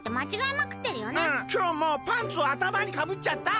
うんきょうもパンツをあたまにかぶっちゃった。